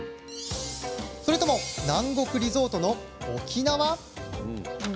それとも南国リゾートの沖縄？